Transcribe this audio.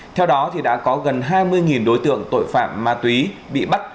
theo đó đã có gần hai mươi đối tượng tội phạm ma túy bị bắt